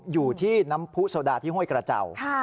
อยู่ที่น้ำผู้โซดาที่ห้วยกระเจ้า